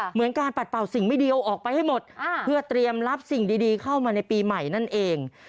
เหมือนการปัดเป่าสิ่งไม่ดีเอาออกไปให้หมดเพื่อเตรียมรับสิ่งดีเข้ามาในปีใหม่นั่นเอง